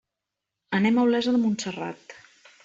Anem a Olesa de Montserrat.